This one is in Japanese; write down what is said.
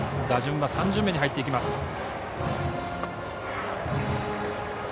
打順は３巡目に入っていきます。